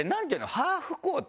ハーフコート？